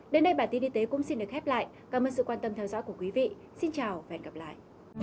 đến đây bản tin y tế cũng xin được khép lại cảm ơn sự quan tâm theo dõi của quý vị xin chào và hẹn gặp lại